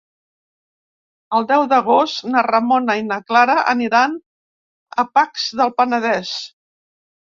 El deu d'agost na Ramona i na Clara aniran a Pacs del Penedès.